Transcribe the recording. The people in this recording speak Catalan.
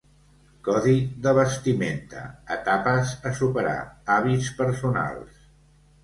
Codi de vestimenta, etapes a superar, hàbits personals.